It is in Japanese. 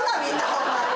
ホンマに。